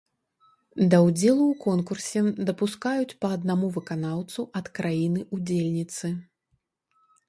Да ўдзелу ў конкурсе дапускаюць па аднаму выканаўцу ад краіны-ўдзельніцы.